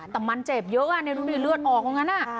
แต่มันเจ็บเยอะในรุ่นที่เลือดออกเหมือนกัน